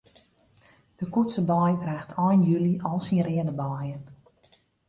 De koetsebei draacht ein july al syn reade beien.